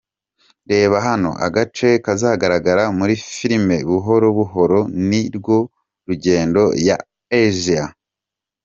Reba hano agace kazagaragara muri filime Buhoro buhoro ni rwo rugendo ya Assia:.